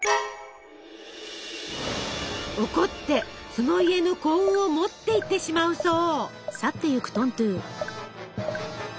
怒ってその家の幸運を持っていってしまうそう。